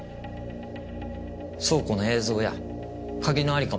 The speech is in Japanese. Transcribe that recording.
倉庫の映像や鍵の在りかも。